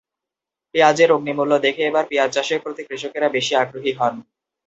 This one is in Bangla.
পেঁয়াজের অগ্নিমূল্য দেখে এবার পেঁয়াজ চাষের প্রতি কৃষকেরা বেশি আগ্রহী হন।